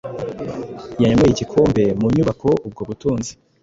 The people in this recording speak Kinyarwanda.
Yanyweye Igikombe mu nyubako ubwo butunzi